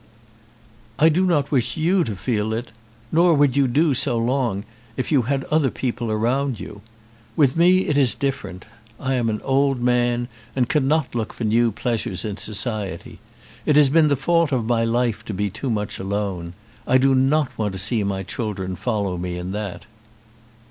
"I do not wish you to feel it, nor would you do so long if you had other people around you. With me it is different. I am an old man, and cannot look for new pleasures in society. It has been the fault of my life to be too much alone. I do not want to see my children follow me in that."